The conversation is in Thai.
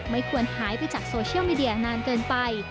ควรหายไปจากโซเชียลมีเดียนานเกินไป